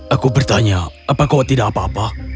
aku bertanya apa kau tidak apa apa